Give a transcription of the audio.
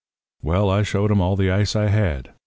"Well, I showed 'em all the ice I had.